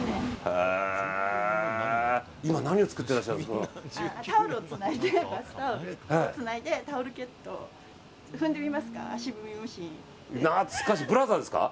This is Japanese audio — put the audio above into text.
今、何を作っていらっしゃるんですか？